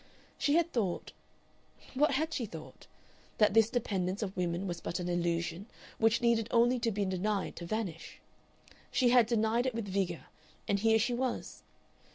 She had thought What had she thought? That this dependence of women was but an illusion which needed only to be denied to vanish. She had denied it with vigor, and here she was!